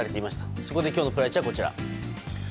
そこで今日のプライチはこちら。